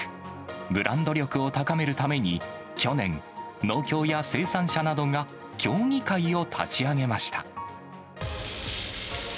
ブランド力を高めるために、去年、農協や生産者などが協議会を立ち上げました。